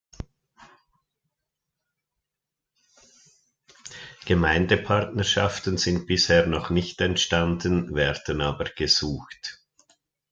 Gemeindepartnerschaften sind bisher noch nicht entstanden, werden aber gesucht.